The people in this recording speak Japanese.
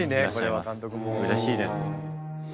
うれしいです。